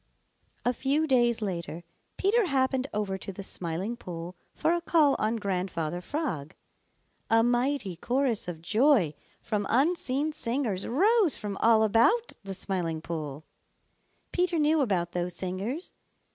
A few days later Peter happened over to the Smiling Pool for a call on Grandfather Frog. A mighty chorus of joy from unseen singers rose from all about the Smiling Pool. Peter knew about those singers.